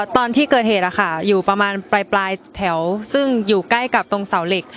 ตอนที่เกิดเหตุอยู่ประมาณปลายแถวซึ่งอยู่ใกล้กับตรงเสาเหล็ก